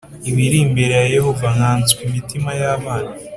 ibiri imbere ya yehova nkanswe imitima y’ abana